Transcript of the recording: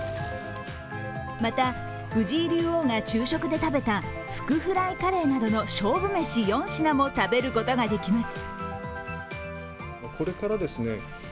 また、藤井竜王が昼食で食べたふくフライカレーなどの勝負めし４品も食べることができます。